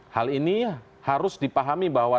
hal ini harus dipahami bahwa